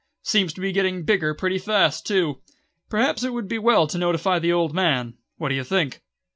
Seems to be getting bigger pretty fast, too. Perhaps it would be as well to notify the old man. What do you think?"